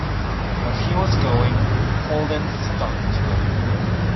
As he was going, Holden stopped him.